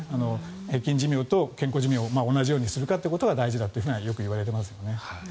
平均寿命と健康寿命を同じようにすることが大事だとよくいわれていますよね。